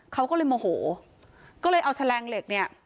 เขาก็เลยโมโหก็เลยเอาแฉลงเหล็กเนี่ย